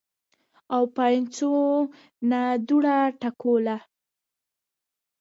او پاينڅو نه دوړه ټکوهله